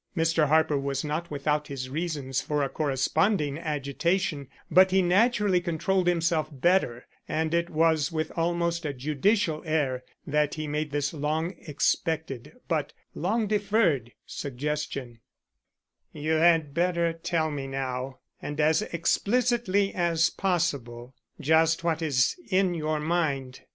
Mr. Harper was not without his reasons for a corresponding agitation, but he naturally controlled himself better, and it was with almost a judicial air that he made this long expected but long deferred suggestion: "You had better tell me now, and as explicitly as possible, just what is in your mind.